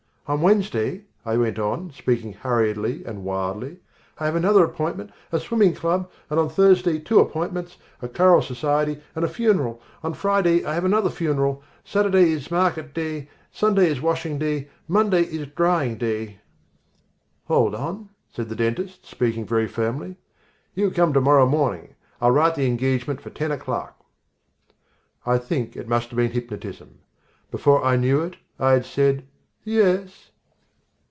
"On Wednesday," I went on, speaking hurriedly and wildly, "I have another appointment, a swimming club, and on Thursday two appointments, a choral society and a funeral. On Friday I have another funeral. Saturday is market day. Sunday is washing day. Monday is drying day " "Hold on," said the dentist, speaking very firmly. "You come to morrow morning: I'll write the engagement for ten o'clock." I think it must have been hypnotism. Before I knew it, I had said "Yes."